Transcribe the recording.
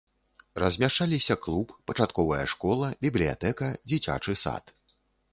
Размяшчаліся клуб, пачатковая школа, бібліятэка, дзіцячы сад.